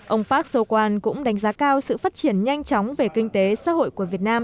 ông park so quan cũng đánh giá cao sự phát triển nhanh chóng về kinh tế xã hội của việt nam